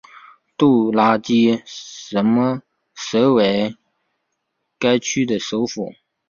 杜拉基什为该区的首府。